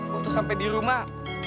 waktu sampe dirumah